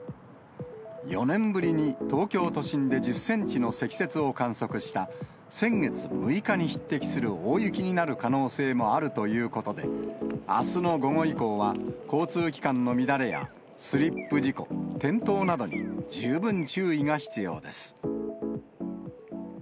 ４年ぶりに東京都心で１０センチの積雪を観測した、先月６日に匹敵する大雪になる可能性もあるということで、あすの午後以降は、交通機関の乱れやスリップ事故、転倒などに十分注意が必要です。